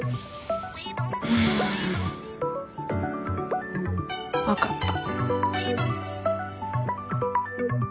うん。分かった。